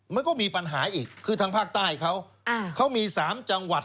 มันก็มีปัญหาอีกคือทางภาคใต้เขาเขามี๓จังหวัด